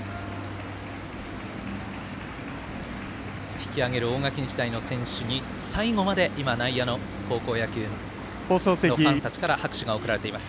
引き揚げる大垣日大の選手に最後まで今、内野の高校野球のファンたちから拍手が送られています。